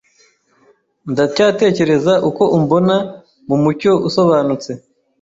Ndacyatekereza uko umbona mumucyo usobanutse